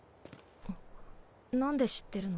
何で知ってるの？